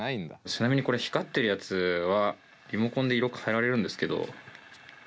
ちなみにこれ光ってるやつはリモコンで色変えられるんですけど基本紫色にしてます。